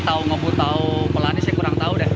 tau ngopi tau pelanis saya kurang tau deh